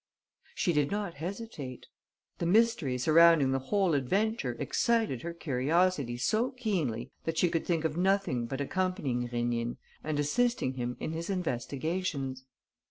She did not hesitate. The mystery surrounding the whole adventure excited her curiosity so keenly that she could think of nothing but accompanying Rénine and assisting him in his investigations.